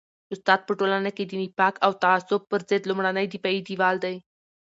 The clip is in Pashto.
استاد په ټولنه کي د نفاق او تعصب پر ضد لومړنی دفاعي دیوال دی.